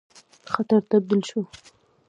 خطر تبدیل شو.